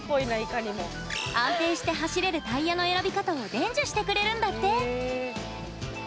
安定して走れるタイヤの選び方を伝授してくれるんだって。